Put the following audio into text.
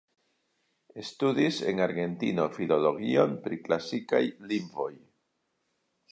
Studis en Argentino Filologion pri Klasikaj Lingvoj.